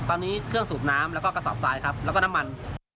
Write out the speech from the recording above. ตอนนี้เครื่องสูบน้ำแล้วก็กระสอบทรายครับแล้วก็น้ำมัน